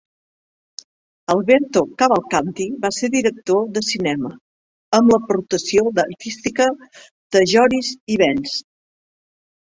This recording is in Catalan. Alberto Cavalcanti va ser director de cinema, amb l'aportació artística de Joris Ivens.